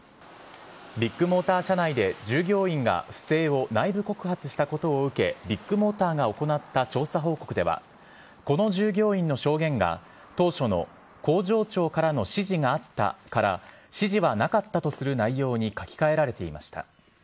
ビッグモーター社内で従業員が不正を内部告発したことを受けビッグモーターが行った調査報告ではこの従業員の証言が当初の工場長からの指示があったから指示はなかったとする内容に書き換えられていました。